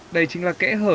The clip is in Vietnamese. đây chính là kẽ hở